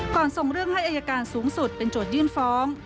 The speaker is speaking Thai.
ส่งเรื่องให้อายการสูงสุดเป็นโจทยื่นฟ้อง